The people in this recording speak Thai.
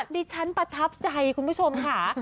ดิฉันประทับใจคุณผู้ชมค่ะ